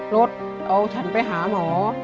รถเอาฉันไปหาหมอ